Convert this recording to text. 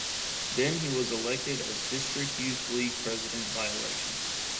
Then he was elected as district youth league president by election.